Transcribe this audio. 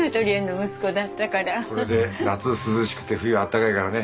これで夏涼しくて冬暖かいからね。